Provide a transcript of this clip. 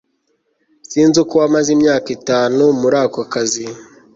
Sinzi uko wamaze imyaka itanu muri ako kazi